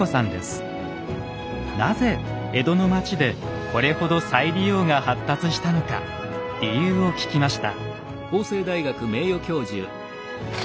なぜ江戸の町でこれほど再利用が発達したのか理由を聞きました。